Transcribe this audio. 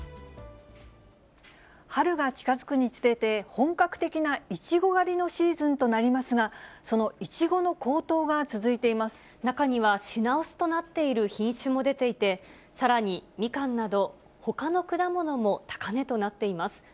春が近づくにつれて、本格的なイチゴ狩りのシーズンとなりますが、そのイチゴの高騰が中には、品薄となっている品種も出ていて、さらにミカンなど、ほかの果物も高値となっています。